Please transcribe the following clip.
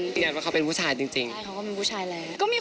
ใช้คำว่าแฟนในมหาดตอนนี้